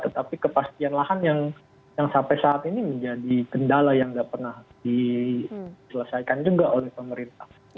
tetapi kepastian lahan yang sampai saat ini menjadi kendala yang nggak pernah diselesaikan juga oleh pemerintah